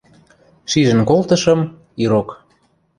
Шижӹн колтышым – ирок.